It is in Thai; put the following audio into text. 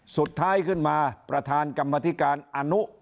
สุดท้ายขึ้นมาประธานกรรมธิการอนุ